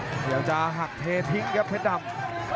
เดี๋ยวจะหักเททิ้งครับเพชรดำ